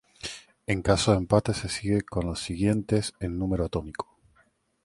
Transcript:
En caso de empate se sigue con los siguientes en número atómico.